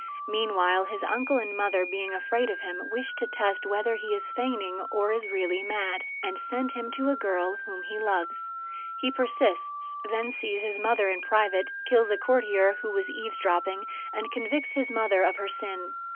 Meanwhile, his uncle and mother, being afraid of him, wish to test whether he is feigning or is really mad, and send to him a girl whom he loves. He persists, then sees his mother in private, kills a courtier who was eavesdropping, and convicts his mother of her sin.